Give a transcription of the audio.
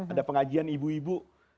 ada pengajian ibu ibu